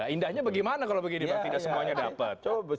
indahnya bagaimana kalau begini bang tidak semuanya dapat